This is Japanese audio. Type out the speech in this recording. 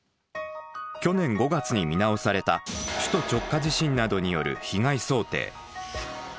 去年５月に見直された首都直下地震などによる被害想定。